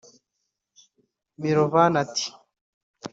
Milovan ati